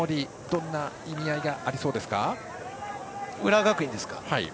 どんな意味合いがありそうですか。